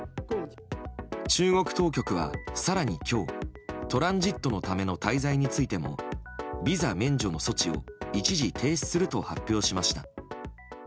中国当局は更に今日トランジットのための滞在についてもビザ免除の措置を一時停止すると発表しました。